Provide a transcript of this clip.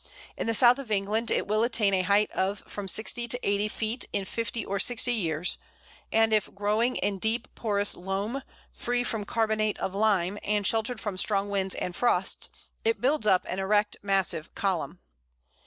In the South of England it will attain a height of from sixty to eighty feet in fifty or sixty years, and if growing in deep porous loam, free from carbonate of lime, and sheltered from strong winds and frosts, it builds up an erect massive column.